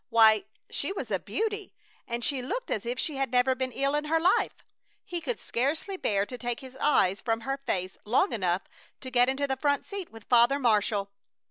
Why, she was a beauty, and she looked as if she had never been ill in her life! He could scarcely bear to take his eyes from her face long enough to get into the front seat with Father Marshall.